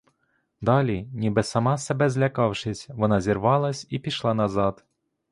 Далі, ніби сама себе злякавшись, вона зірвалась і пішла назад.